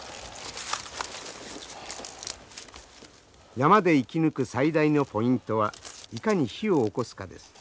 山で生き抜く最大のポイントはいかに火をおこすかです。